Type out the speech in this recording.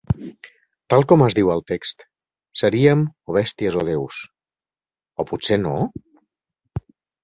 Tal com es diu al text, seríem o bèsties o déus. O potser no?